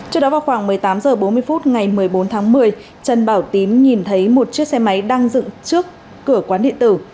trước đó vào khoảng một mươi tám h bốn mươi phút ngày một mươi bốn tháng một mươi trần bảo tín nhìn thấy một chiếc xe máy đang dựng trước cửa quán điện tử